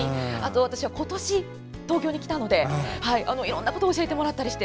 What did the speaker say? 私は今年東京にきたので、いろんなことを教えてもらったりして